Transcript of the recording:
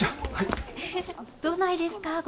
どないですか？